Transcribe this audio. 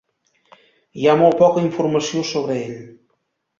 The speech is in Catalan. Hi ha molt poca informació sobre ell.